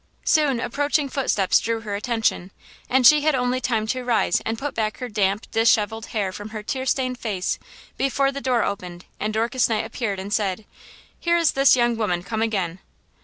Soon approaching footsteps drew her attention. And she had only time to rise and put back her damp, disheveled hao from her tear stained face before the door opened and Dorcas Knight appeared and said: "Here is this young woman come again."